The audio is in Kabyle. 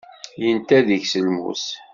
Yenta deg-s lmus.